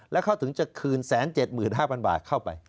แล้วเขาถึงจะคืน๑๗๕๐๐บาทเข้าไป